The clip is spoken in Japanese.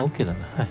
はい。